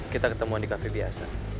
kita ketemuan di kafe biasa